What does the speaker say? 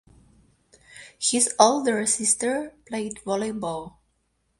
His older sister played volleyball.